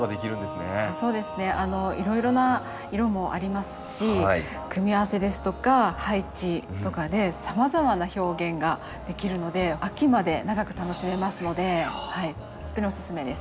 そうですねいろいろな色もありますし組み合わせですとか配置とかでさまざまな表現ができるので秋まで長く楽しめますのでほんとにおすすめです。